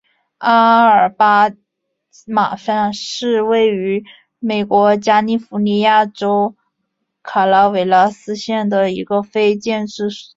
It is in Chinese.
阿拉巴马山是位于美国加利福尼亚州卡拉韦拉斯县的一个非建制地区。